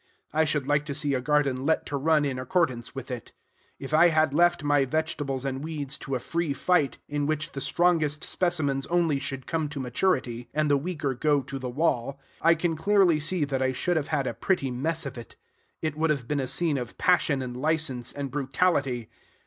I should like to see a garden let to run in accordance with it. If I had left my vegetables and weeds to a free fight, in which the strongest specimens only should come to maturity, and the weaker go to the wall, I can clearly see that I should have had a pretty mess of it. It would have been a scene of passion and license and brutality.